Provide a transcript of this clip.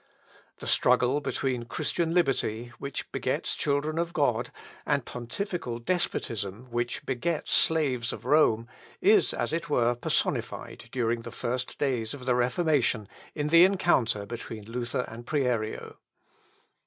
The struggle between Christian liberty, which begets children of God, and pontifical despotism, which begets slaves of Rome, is, as it were, personified during the first days of the Reformation, in the encounter between Luther and Prierio.